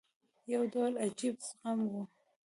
یو ډول عجیب زغم وو.